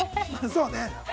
「そうね」